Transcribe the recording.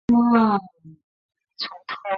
因裁缺归里。